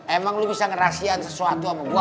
emang lo bisa ngerahsiakan sesuatu sama gua